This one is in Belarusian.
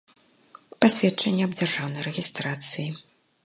Пасведчанне аб дзяржаўнай рэгiстрацыi.